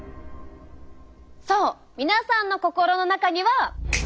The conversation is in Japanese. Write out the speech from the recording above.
そう皆さんの心の中には。